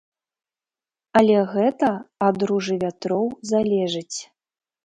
Але гэта ад ружы вятроў залежыць.